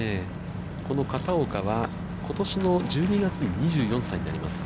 この片岡は、ことしの１２月に２４歳になります。